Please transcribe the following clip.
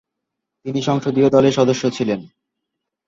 তিনি সংসদীয় দলের সদস্য ছিলেন।